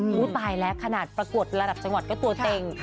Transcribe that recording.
ตายแล้วขนาดประกวดระดับจังหวัดก็ตัวเต็ง